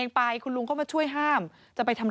ก็มีการออกรูปรวมปัญญาหลักฐานออกมาจับได้ทั้งหมด